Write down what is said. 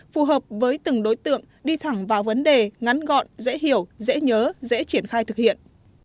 phù hợp với từng đối tượng đi thẳng vào vấn đề ngắn gọn dễ hiểu dễ nhớ dễ triển khai thực hiện